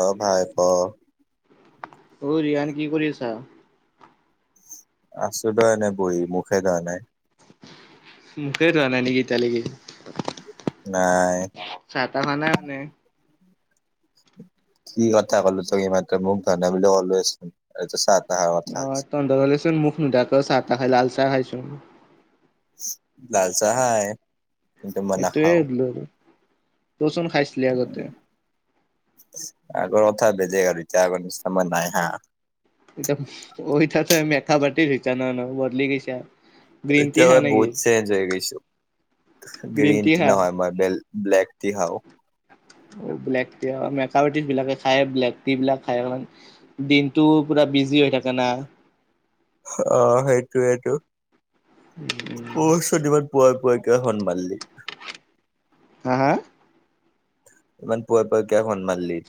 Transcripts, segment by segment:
অ ভাই প অৰিয়ানক কৰিুলিছা আছো দহ এনেই বহি মুখে দৰা নাই মখে ধোৱা নাই নেকীতালি গি নাই ছাতা খানা ম নে কি কথা ক'লো তোক ই মাত মোক ধনা বুলি ক'লোচোন আৰু ত চা অ তন্দ হলে চোন মুখ নুধাক চাহ তটা খাই লাল চাহ খাইছো লালচাাহা এইেইটোলো আৰু ৰচন খাইছিলি আগতে আগৰ কথা বেজে গ এতিয়া আগৰ নি্চয় নাই হা এ ত চ মেখা পাটি থৈছ ন ন বদলি গৈছে টো ভুত চঞজই গৈছো গ্ৰীণ টি নহয় মই ব ব্লেক টি খাও ব্লে ট মেকপ আৰ্টিষ্ট বিলাকে খায় ব্লেক ট বিলাক খায় দিনটো পুৰা বিজি হৈ থাকে না অ সেইটোয়েইটো কছ ইমান পুৱাই পুৱাইকৈ সন্ মাললি হা হা ইমান পুৱাৰ পৰা ক সন্মানমানলি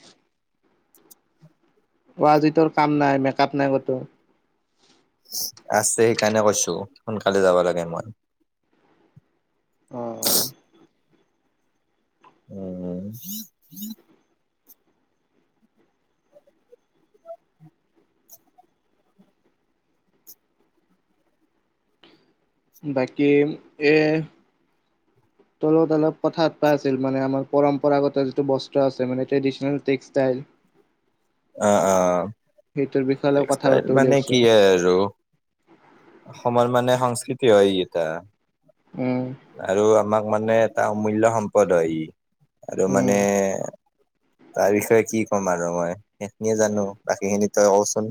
অ কাম নাই মেকপ নাই গতো আছে সেইকাৰণে কৈছো সোনকালে যাব লাগে মই অ উম বাকী এ তলত অলপ কথাাত পাই আছিল মানে আমাৰ পৰম্পৰাগত যিটো বস্তু আছে মানে ট্ৰেডিচনেল টেক্সটাইল অ অ সেইটোৰ বিষয়ে অলপ কথা টেক্সটাইল বাৰো বুলি মানে কি ভাবিছোঁ আৰু অসমৰ মানে সংস্কৃতি হয় এটা উম আৰু আমাক মানে এটা অমূল্য় সম্পদ হয় ই আৰু উম মানে তাৰ বিষয়ে কি ক'ম আৰু মই সেইখিনিয়ে জানো বাকী খিনি তই কচোন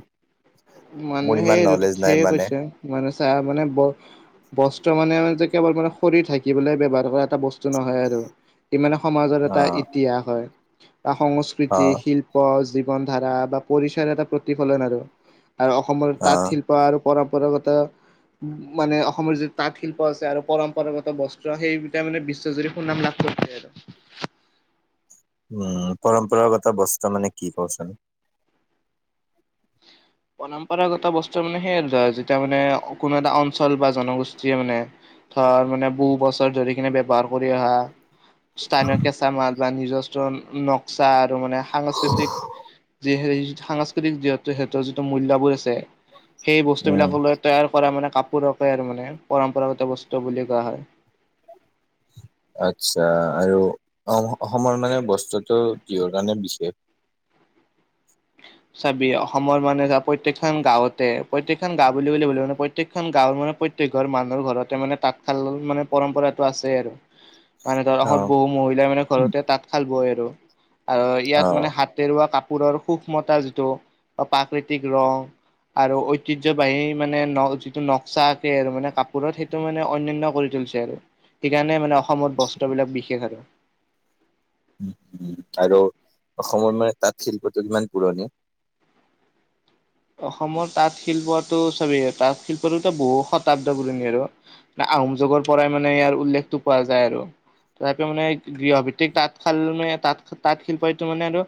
মানে মোৰ ইমান সেই নলেজ নাই সেয়ে মানে কৈছে মানে চাহ মানে ব বস্ত্ৰ মানে কেবল মানে খৰি থাকিবলৈ ব ব্যৱহাৰ কৰা এটা বস্তু নহয় আৰু ই মানে সমাজত অ এটা ইতিহাস হয় বা অ সংস্কৃতি শিল্প ধা বা পৰিচয় এটা প্ৰতিফলন আৰু আৰু অসমৰ অ তাঁত শিল্প আৰু পৰম্পৰাগত মানে অসমৰ যি তাঁত শিল্প আছে আৰু পৰম্পৰাগত বস্ত্ৰ সেইবটটা মানে বিশ্বজুৰি সুনাম লাগ [unintelligible] উম পৰম্পৰাগত বস্তা মানে কি কওঁচোন পৰম্পৰাগত বস্তু মানে সেইয় আৰু ধৰা যেতিয়া মানে কোনো এটা অঞ্চল বা জনগোষ্ঠীয়ে মানে ধাৰ মানে বহু বছৰ ধৰি কিনে ব্য্ৱহাৰ কৰি অহা স্থানীয় কেঁচা মাল বা নিজস্ব নক্সা মানে সাংস্কৃতিক যি হে সাংস্কৃতিক যিহেতু স যিটো মূল্য়বোৰ আছে সেই উম বস্তুবলাকলৈ তৈয়াৰ কৰা মানে কাপোৰকে আৰু মানে পৰম্পৰাগত বস্তু বুলি কোৱা হয় আচ্ছা আৰু অ অসমৰ মানে বস্তুটো হৰ কাৰণে বিশেষ উ চাবি অসমৰ মানে প্ৰত্যেকখন গাঁওঁতে প্ৰত্েকখন গাও ব বুলি ভলে মানে প্ৰত্েকখন গাঁওৰ মান প্ৰত্য়েক ঘৰ মানুহৰ ঘৰতে মানে তাঁতশাল মানে পৰম্পৰাটো আছে আৰু মানে ধৰ অ আৰ বহু মহিলাই মানে ঘৰতে তাঁত খাল বই আৰু অ ইয়াত মানে হাতেৰুৱা কাপ [unintelligible] সুখ মতে আজিতো, প্ৰাকৃতিক [unintelligible] আৰু ঐতিহ্যবাহী মানে যিটো নক্সা আকে আৰু মানে কাপোৰত সেইটো মানে অনন্যান কৰি থ [unintelligible] আৰু, সেইকাৰণে মানে অসমত বস্ত্ৰবলাক বিশেষ আৰু। আৰু, অসমৰ মানে তাঁত শিল্পটো কিমান পুৰণি? অসমৰ তাঁত শিল্পতটো চবেই তাঁত শিল্পটোতো বহুত শতাব্দ পুৰণি আৰু, না আহোম যগৰ পৰাই মানে ইয়াৰ উল্লেখটো পোৱা যায় আৰু। তথাপিও মানে গৃহ ভিত্তিক তাঁতশাল মানে তাঁত-তাঁত শিল্পইটো মানে আৰু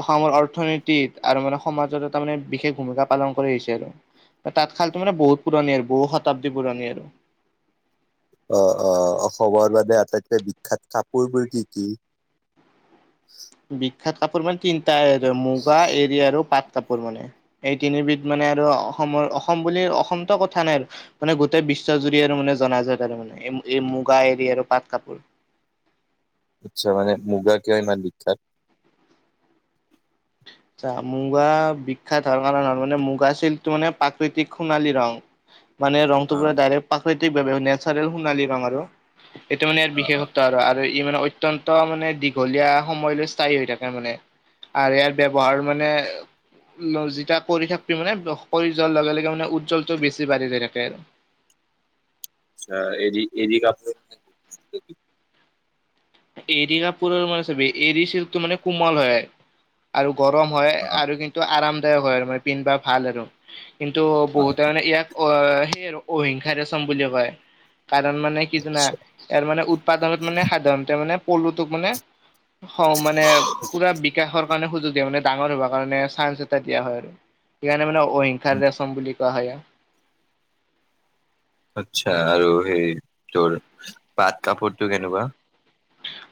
অসমৰ অৰ্থ [unintelligible] আৰু মানে সমাজত তাৰ মানে বিশেষ ভূমিকা পালন কৰি আহিছে আৰু, তাঁত শালটো মানে বহুত পুৰণি আৰু বহু শতাব্দী পুৰণি আৰু। [inaudible] অ', অ, অসমৰ বাবে আটাইতকৈ বিখ্যাত কাপোৰবোৰ কি কি? বিখ্যাত কাপোৰ মান তিনিটা মুগা, এৰী আৰু পাট। কাপোৰ মানে, এই তিনিবিধ মানে আৰু অসমৰ অসম বুলি অসমতো কথা নাই আৰু, মানে গোটেই বি বিশ্ব জুৰি আৰু মানে জনাজাত আৰু মানে, যি এই মুগা, এৰী আৰু পাট কাপোৰ। আচ্ছা মানে মুগা কিয় ইমান বিখ্যাত? [inaudible] চা মুগা বিখ্যাত হোৱাৰ কাৰণে মানে মুগা চিল্কটো মানে প্ৰাকৃতিক সোণালী ৰং। মানে ৰংটো পুৰা অ', ডাইৰেক্ট প্ৰাকৃতিক [unintelligible] নেচাৰেল সুণালী ৰং আৰু। এইটো মানে ইয়াৰ অ', অ', বিশেষত্ব আৰু-আৰু ই মানে অত্যন্ত মানে দীঘলীয়া সময়লৈ স্থায়ী হৈ থাকে মানে। আৰু ইয়াৰ ব্যৱহাৰ মানে যেতিয়া কৰি থাকি মানে কৰি যোৱাৰ লগে লগে মানে উজ্জ্বলটো বেছি বাঢ়ি যৈ থাকে আৰু। [inaudible] অ' এৰি এৰি কাপটোত [unintelligible] এৰী কাপোৰৰ মানে চবি এৰী চিল্কটো মানে কোমল হয় আৰু গৰম হয় অ', আৰু কিন্তু আৰামদায়ক হয় আৰু মানে পিন্ধিবা ভাল আৰু কিন্তু অ'। বহুতে মানে ইয়াক অ' সেই আৰু অহিংসা ৰেচম বুলি কয়। কাৰণ মানে কি জানা আচ্ছা ইয়াৰ মানে উৎপাদনত মানে সাধাৰণতে মানে পলুটোক মানে মানে পুৰা বিকাশৰ সুযোগ দিয়ে মানে হব কাৰণে চাঞ্চ এটা দিয়া হয় আৰু সেইকাৰণে মান অহিংসাৰেচম বুলি [unintelligible] আচ্ছা আৰু সেই তোৰ পাট কাপোৰটো কেনেকুৱা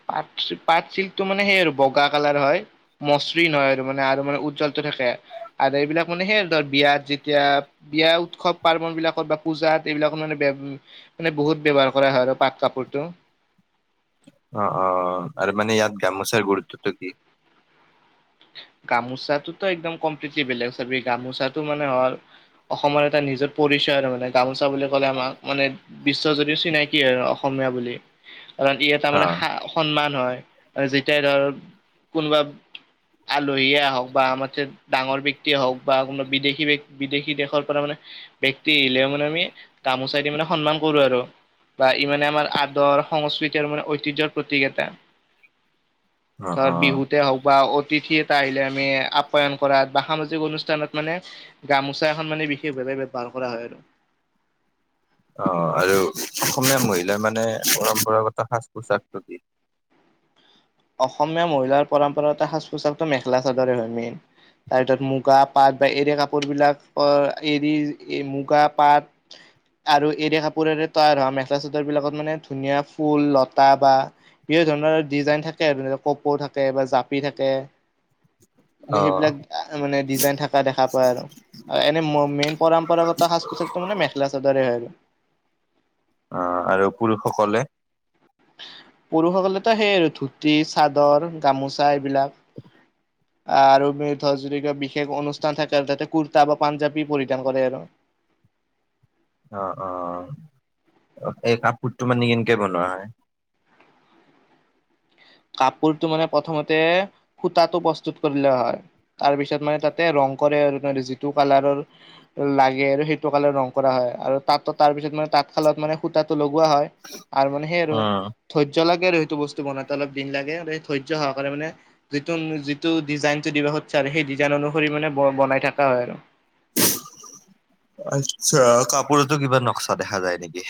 পাট, পাট চিল্কটো মানে সেই আৰু বগা কালাৰ হয়। মসৃণ হয় আৰু মানে আৰু মানে উজ্জ্বল। থাকে আৰু এইবিলাক মানে সেই ধৰ বিয়াত, যেতিয়া বিয়া উৎসৱ-পাৰ্বণ বিলাকত বা পূজাৰ এইবিলাকত মানে মানে বহুত ব্যৱহাৰ কৰা হয় আৰু পাত কাপোৰটো। অ, অ' আৰু মানে ইয়াত গামোচাৰ গুৰুত্বটো কি? গামোচাটোতো একদম কমপ্লিটলি বেলেগ গামোচাটো মানে অসমৰ এটা নিজৰ পৰিচয় আৰু মানে গামোচা বুলি ক'লে আমাক মানে বিশ্ব যদি চিনাকি আৰু অসম অসমীয়া বুলি কাৰণ ই এটা মানে অ', সন্মান হয়। যেতিয়াই ধৰ কোনোবা আলহীয়ে হওঁক বা আমাৰ ডাঙৰ ব্যক্তিয়ে হওঁক বা কোনো বিদেশী, বিদেশী দেশৰ পৰা মানে ব্যক্তি আহিলেও মানে আমি গামোচাই দি মানে সন্মান কৰো আৰু বা ই মানে আমাৰ আদৰ, সংস্কৃতি আৰু মানে ঐতিহ্যৰ প্ৰতীক এটা। অ', তাৰ অ'। বিহুতে হক বা [unintelligible] তিথি এটা আহিলে আমি আপ্যায়ন কৰাত বা সামাজিক অনুষ্ঠানত মানে, গামোচা এখন মানে বিশেষভাৱে [unintelligible] বাৰ কৰা হয় আৰু। অ', আৰু অসমীয়া মহিলাই মানে, পৰম্পৰাগত সাজ পোছাকটো পি অসমীয়া মহিলাৰ পৰম্পৰাত সাজ পোছাকটো মেখেলা চাদৰে হয় মেইন। তাৰ ভিতৰত মুগা পাট বা এৰী কাপোৰবিলাক এৰী মুগা, পাট আৰু এৰী কাপোৰেৰে তৈয়াৰ হোৱা মেখেলা চাদৰ বিলাকত মানে ধুনীয়া ফুল লতা বা বিভি ধৰণৰ ডিজাইন থাকে ধ কপৌ থাকে বা জাপি থাকে। অ', সেইবিলাক মানে ডিজাইন থকা দেখা পায় আৰু এনে মেইন পৰম্পৰাগত সাজ পোচাকটো মানে মেখেলা চাদৰে হয় আৰু। আহ আৰু পুৰুষসকলে। পুৰুষসকলেতো সেইয় আৰু ধুতি চাদৰ গামোচা এইবিলাক। আৰু মৃ ধ যদি কিবা বিশেষ অনুষ্ঠান থাকে আৰু তাতে কুৰ্তা বা পাঞ্জাবী পৰিধান কৰে আৰু। [inaudible] অ- অ এই কাপ কোৰটো মানে কেনেকে বনোৱা হয় কাপোৰতটো মানে প্ৰথমতে সুতাটো প্ৰস্তুত কৰিলে হয় তাৰপিছত মানে তাতে ৰং ৰং কৰে আৰু যিটো কালাৰৰ লাগে আৰু সেইটো কালাৰ ৰং কৰা হয় আৰু তাত তাৰপিছত মানে তাঁতশালত মানে সুতাটো লগোৱা হয় আৰু মানে সেই আৰু অ'। ধৈৰ্য্য লাগে আৰু সেইটো বস্তু বনাত অলপ দিন লাগে ধৈৰ্য সহকাৰে মানে যিটো যিটো ডিজাইনটো দিব খুজিছা সেই ডিজাইন অনুসৰি মানে বনাই থকা হয় আৰু। আচছা কাপোৰতো কিবা নক্সা দেখা যায় নেকি।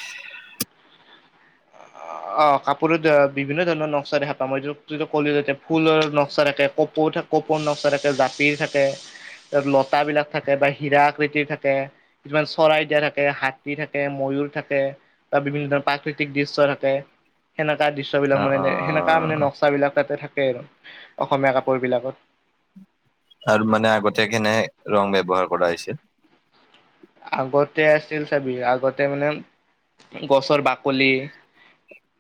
অ 'কাপোৰত বিভিন্ন ধৰণৰ নক্া দেখা পাম এই ক'লোতে ফুলৰ নক্সা দেখে কপ [inaudible] জাপিৰ থাকে কটা বিলাক থাকে বা হিৰা আকৃতিৰ থাকে কিছুমান চৰাই দিয়া থাকে হাতী থাকে মৈ থাকে বা বিভিন্ন ধৰণৰ প্ৰাকৃতিক দৃশ্য থাকে। সেনেকা দৃশ্য বিলাক অ', মানে সেনেকা অ', মানে অ নক্সা বিলাক তাতে থাকে আৰু অসমীয়া কাপোৰ বিলাকত আৰু মানে আগতীয়া খিনি ৰং ব্যৱহাৰ কৰা হৈছিল আগতে আছিল চাবি আগতে মানে গছৰ বাকলি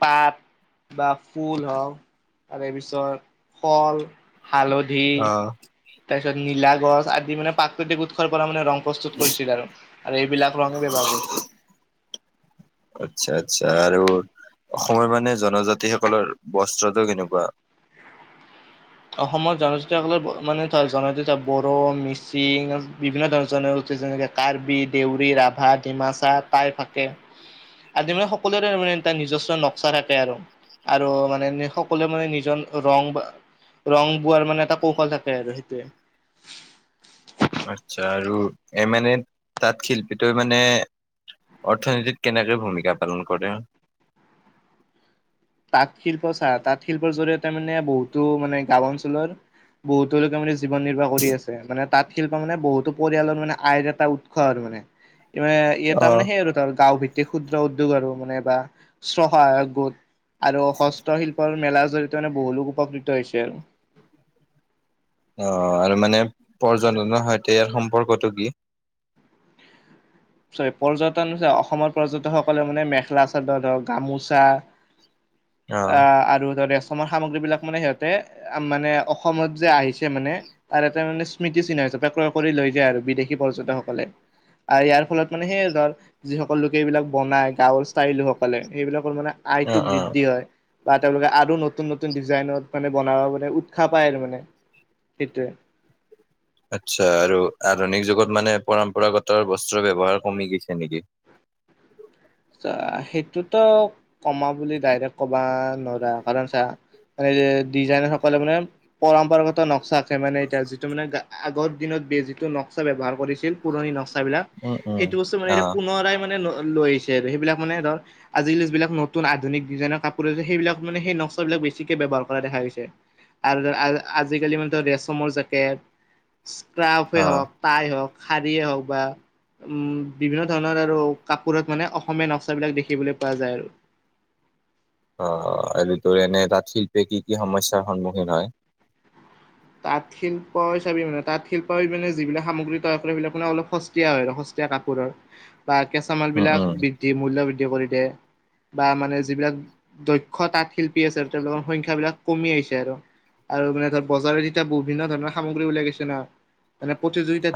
পাত বা ফুল হওক তাৰে পিছত ফল হালধি অ'। তাৰ পিছত নীলা গছ আদি মানে প্ৰাকৃতিক উৎসৰ পৰা মানে ৰং প্ৰস্তুত কৰিছিল আৰু আৰু এইবিলাক ৰঙে ব্যৱহাৰ কৰিছিল আচ্ছা আচ্ছা আৰু অসমৰ মানে জনজাতিসকলৰ বস্ত্ৰটো কেনেকুৱা [inaudible] অসমৰ জনজাতিয়সকলৰ মানে ধ জনজাতিাৰ বড়ো মিচিং বিভিন্ন ধৰণৰ জনজাষ্ঠছে যে কাৰ্বি দেউৰী ৰাভা ডিমাচা তাই থাকে আদি মানে সকলোৰে মানে তাৰ নিজস্ব নক্সা থাকে আৰু আৰু মানে সকলোৱে মানে নিজৰ ৰং বা ৰং বোৱাৰ মানে এটা কৌশল থাকে আৰু সেইটোৱে। আচ্ছা আৰু এই মানে তাত শিল্পীটো মানে অৰ্থনীতিত কেনেকৈ ভূমিকা পালন কৰে। [inaudible] তাঁত শিল্প চা তাঁত শিল্পৰ জৰিয়তে মানে বহুতো মানে গাঁও অঞ্চলৰ বহুতো লোকে মানে জীৱন নিৰ্বাহ কৰি আছে মানে তাঁত শিল্পা মানে বহুতো পৰিয়ালৰ মানে আইৰ এটা উৎস আৰু মানে [inaudible] এটা মানে অ'। সেই আৰু ধ গাঁও ভিত্তিক ক্ষুদ্ৰ উদ্যোগ আৰু মানে বা স্ব সহায়ক গোট আৰু হস্তশিল্পৰ মেলাৰ জৰি়য়তে মানে বহু লোক উপকৃত হৈছে আৰু। অ' আৰু মানে পৰ্যটনৰ সৈতে ইয়াৰ সম্পৰ্কটো কি [inaudible] চৰি পৰ্যটন অসমৰ পৰ্যটকসকলে মানে মেখেলা চাদৰ ধৰক গামোচা। অ' আৰু ধৰি অসমৰ সামগ্ৰী বিলাক মানে সিহঁতে মানে অসমত যে আহিছে মানে তাৰ এটা মানে স্মৃতি চিহ্ন। হিচাপে ক্ৰয় কৰি লৈ যায় আৰু বিদেশী পৰ্যটকসকলে আৰু ইয়াৰ। ফলত মানে সেই ধৰ যিসকল লোকে এইবিলাক বনাই গাঁৱৰ ষ্টাইল সেইবিলাক মানে আয়তটো অ' অ'। বৃদ্ধি হয় বা তেওঁলোকে আৰু নতুন নতুন ডিজাইনত মানে বনাব মানে উৎসাহ পায় আৰু মানে। সেইটোৱে। আচ্ছা আৰু আধুনিক যুগত মানে পৰম্পৰাগত বস্ত্ৰুৰ ব্যৱহাৰ কমি গৈছে নেকি? [inaudible] [unintelligible] সেইটোতো কমা বুলি ডাইৰেক্ট কবা নোৱাৰা কাৰণ চা মানে ডিজাইনাৰ সকলে মানে, পৰম্পৰাগত নক্সা আকে মানে এতিয়া যিটো মানে আগৰ দিনত যিটো নক্সা ব্যৱহাৰ কৰিছিল পুৰণি নক্সা বিলাক, উম, উম। সেইটো বস্তু মানে এতিয়া অ' পুনৰাই মানে লৈ আহিছিল। [unintelligible] সেইবিলাক মানে ধৰ, আজিকালি যিবিলাক নতুন আধুিক ডিজাইনৰ কাপোৰ আছে, সেইবিলাক মানে সেই নক্সা বিলাক বেছিকে বে বৰ কৰা দেখা গৈছে আৰু আ-আ-আজিকালি মানটো ৰেচমৰ জেকেট স্ক্ৰাফে অ' হওঁক, ট্ৰাই হওঁক। শাৰী হওঁক বা উম, বিভিন্ন ধৰণৰ আৰু কাপোৰত মানে‌ অস অসমীয়া নক্সাবিলাক দেখিবলৈ পোৱা যায় আৰু। অ', আৰু তোৰ এনে তাঁত শিল্পীয়ে কি কি সমস্যাৰ সন্মুখীন হয়? তাঁত শিল্পই চাবি মানে, তাঁত শিল্পই মানে যিবিলাক সামগ্ৰী তৈয়াৰ কৰে, সিবিলাক মানে অলপ সস্তীয়া হয়, আৰু স কাপোৰৰ বা কেঁচা উম, মালবিলাক উম। বৃদ্ধি, মূল্য বৃদ্ধি কৰি দিয়ে। বা মানে যিবিলাক দক্ষ তাঁত শিল্পী আছে আৰু তেওঁলোকৰ সংখ্যাবিলাক কমি আহিছে আৰু। আৰু মানে ধৰ বজাৰ এতিয়া বিভিন্ন ধৰণৰ সামগ্ৰী [unintelligible] গৈছে ন' মানে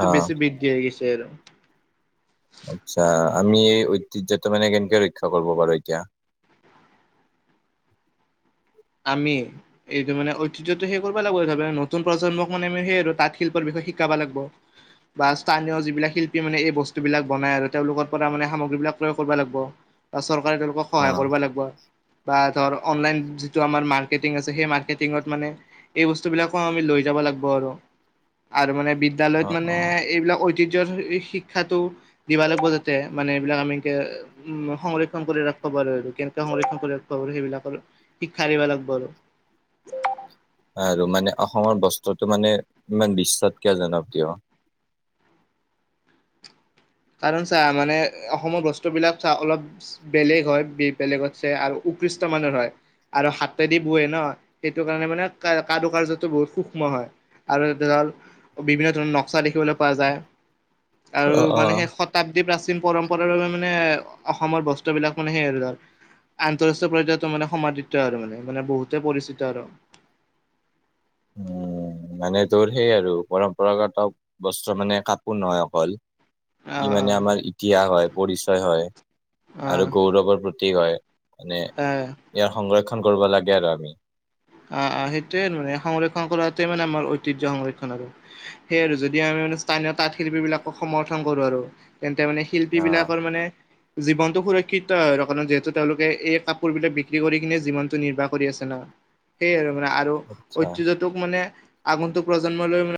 অ বেছি বৃদ্ধিহৈ গৈছ [unintelligible] আচ্ছা, আমি এই ঐতিহ্যটো মানে কেনেকে ৰক্ষা কৰিব পাৰোঁ এতিয়া? আমি এইটো মানে ঐতিহ্যটো সেই কৰিব লাগিব [unintelligible] নতুন প্ৰজন্মক মানে আমি সেই আৰু তাঁত শিল্পৰ বিষয় শিকাবা লাগব। বা স্থানীয় যিবিলাক শিল্পী মানে এই বস্তুবিলাক বনাই আৰু তেওঁলোকৰ পৰা মানে সামগ্ৰীবিলাক ক্ৰয় কৰিব লাগব। বা চৰকাৰে তেওঁলোকক অ সহায় কৰিব লাগব বা ধৰ অনলাইন যি আমাৰ মাৰ্কেটিং আছে সেই মাৰ্কেটিংত মানে এই বস্তুবিলাকো আমি লৈ যাব লাগব আৰু। আৰু মানে বিদ্যালয়ত অ মানে অ এইবিলাক ঐতি জ, শিক্ষাটো দিব লাগব যাতে, মানে এইবিলাক আমি উম, সংৰক্ষণ কৰি ৰাখব কেনেকে সংৰক্ষণ কৰি [unintelligible] সেইবিলাকৰ শিক্ষা দিব লাগব আৰু। আৰু মানে অসমৰ বস্ত্ৰটো মানে ইমান বিশ্বত কিয় জনপ্ৰিয়? কাৰণ চা, মানে অসমৰ বস্তুবিলাক চা, অলপ বেলেগ হয়, বে-বেলেগতছে আৰু ও উৎকৃষ্ট মানৰ হয়, আৰু হাতেদি বৈয় ন', সেইটো কাৰণে মানে কা-কাৰুকাৰ্যতো বহুত সূক্ষ্ম আৰু [unintelligible] বিভিন্ন ধৰণৰ নক্সা দেখিবলৈ পোৱা যায় আৰু অ মানে সেই শতাব্দী প্ৰাচীন পৰম্পৰাৰ বাবে মানে অসমৰ বস্তু বিলাক মানে সেই আৰু ধৰ আন্তঃৰাষ্ট্ৰীয় পৰ্যায়তো মানে সমাধিত আৰু মানে, মানে বহুতে পৰিচিত আৰু। উম, মানে তোৰ সেই আৰু পৰম্পৰাগত বস্তু মানে কাপোৰ নহয় অকল। অ অ ই মানে আমাৰ ইতিহাস হয়, পৰিচয় হয়। অ আৰু গৌৰৱৰ প্ৰতি হয়। মানে, অ ইয়াৰ সংৰক্ষণ কৰিব লাগে আৰু আমি। অ', অ', সেইটোৱে আৰু মানে, সংৰক্ষণ কৰাতোৱে মানে আমাৰ ঐতিহ্য সংৰক্ষণ আৰু, সেই আৰু যদি আমি স্থানীয় তাঁত শিল্পী বিলাকক সমৰ্থন কৰো আৰু তেন্তে মানে শিল্পী অ বিলাকৰ মানে জীৱনটো সুৰক্ষিত আৰু কাৰণ যিহেতু তেওঁলোকে এই কাপোৰ বিলাক বিক্ৰী কৰি কিনে জীৱনটো নিৰ্বাহ কৰি আছে ন। সেই আৰু মানে আৰু, আচ্ছা ঐতিহ্যটোক মানে আগন্তুক প্ৰজন্মলৈ মানে